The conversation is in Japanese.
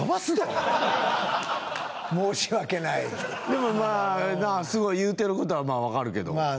でも、すごい言うてることは、分かるけど。